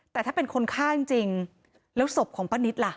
แต่ถ้าเป็นคนฆ่าจริงแล้วศพของป้านิตล่ะ